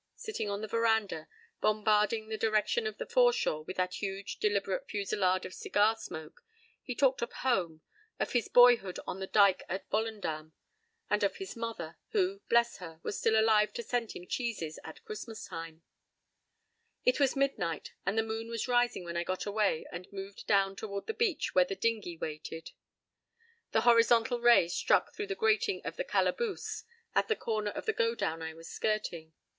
Sitting on the veranda, bombarding the direction of the foreshore with that huge deliberate fusillade of cigar smoke, he talked of home, of his boyhood on the dike at Volendam, and of his mother, who, bless her! was still alive to send him cheeses at Christmas time. It was midnight and the moon was rising when I gotaway and moved down toward the beach where the dinghy waited. The horizontal ray struck through the grating of the "calaboose" at the corner of the godown I was skirting.